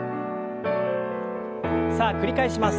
さあ繰り返します。